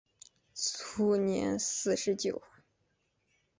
卒年四十九。